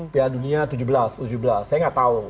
pian dunia tujuh belas tujuh belas saya gak tau